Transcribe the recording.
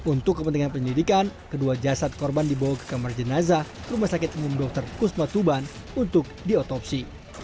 untuk kepentingan penyelidikan kedua jasad korban dibawa ke kamar jenazah rumah sakit umum dr kusma tuban untuk diotopsi